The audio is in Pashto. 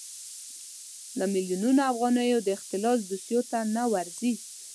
د میلیونونو افغانیو د اختلاس دوسیو ته نه ورځي.